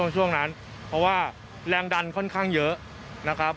ช่วงนั้นเพราะว่าแรงดันค่อนข้างเยอะนะครับ